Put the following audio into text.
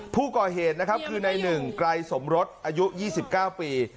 ผู้ก่อเหตุนะครับคือในหนึ่งไกรสมรสอายุ๒๙ปี